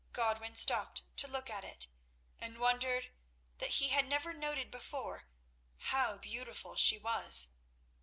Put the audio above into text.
Godwin stopped to look at it, and wondered that he had never noted before how beautiful she was.